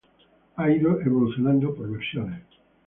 Ha ido evolucionando por versiones.